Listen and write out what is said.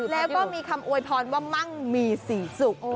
แล้วก็มีคำอวยพรว่ามั่งมีสีสุข